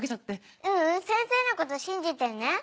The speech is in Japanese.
ううん先生のこと信じてるね。